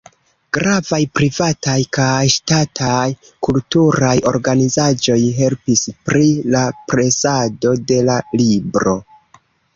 Gravaj privataj kaj ŝtataj kulturaj organizaĵoj helpis pri la presado de la libro.